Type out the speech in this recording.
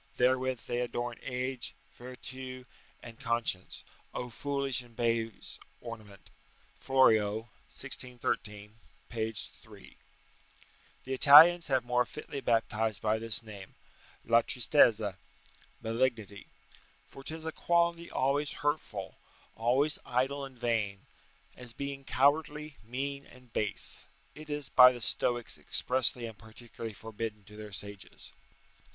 Therewith they adorne age, vertue, and conscience. Oh foolish and base ornament!" Florio, 1613, p. 3] The Italians have more fitly baptized by this name [La tristezza] malignity; for 'tis a quality always hurtful, always idle and vain; and as being cowardly, mean, and base, it is by the Stoics expressly and particularly forbidden to their sages.